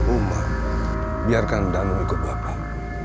uma biarkan danu ikut bapak